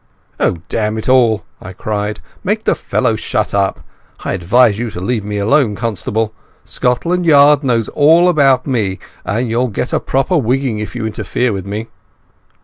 "Oh, damn it all," I cried, "make the fellow shut up. I advise you to leave me alone, constable. Scotland Yard knows all about me, and you'll get a proper wigging if you interfere with me."